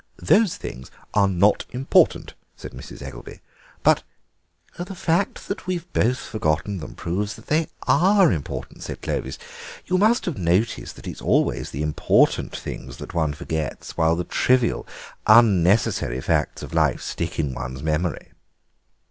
"Those things are not important," said Mrs. Eggelby, "but—" "The fact that we've both forgotten them proves that they are important," said Clovis; "you must have noticed that it's always the important things that one forgets, while the trivial, unnecessary facts of life stick in one's memory.